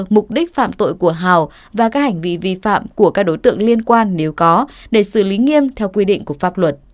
mục đích phạm tội của hào và các hành vi vi phạm của các đối tượng liên quan nếu có để xử lý nghiêm theo quy định của pháp luật